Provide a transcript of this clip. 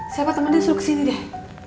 siapa temennya suruh kesini deh